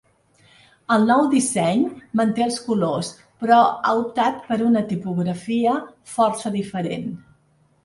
El nou disseny manté els colors, però ha optat per una tipografia força diferent.